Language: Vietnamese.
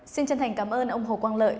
xin chân thành cảm ơn ông hồ quang lợi